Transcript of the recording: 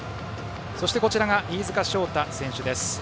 そしてこちらが飯塚翔太選手です。